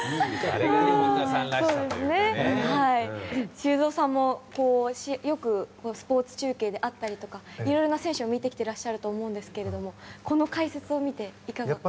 修造さんもよくスポーツ中継などでいろいろな選手を見てきてらっしゃると思うんですがこの解説を見ていかがですか？